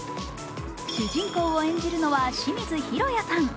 主人公を演じるのは清水尋也さん。